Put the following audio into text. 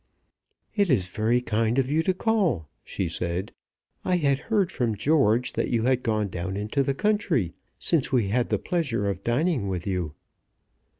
"It is very kind of you to call," she said. "I had heard from George that you had gone down into the country since we had the pleasure of dining with you."